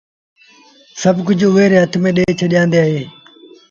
سڀ ڪجھ اُئي ري هٿ ميݩ ڏي ڇڏيآندي اهي۔